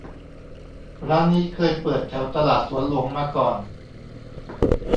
ร้านนี้เคยเปิดแถวตลาดสวนหลวงมาก่อน